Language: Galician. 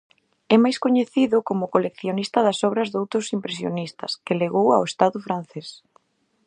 É mais coñecido como coleccionista das obras doutros impresionistas, que legou ao estado francés.